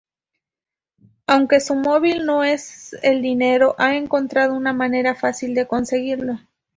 Aunque su móvil no es el dinero, ha encontrado una manera fácil de conseguirlo.